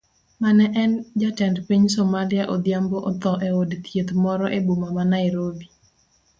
Mane en jatend piny Somalia Odhiambo otho eod thieth moro eboma ma Nairobi.